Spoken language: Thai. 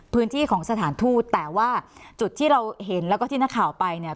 พื้นที่ของสถานทูตแต่ว่าจุดที่เราเห็นแล้วก็ที่นักข่าวไปเนี่ย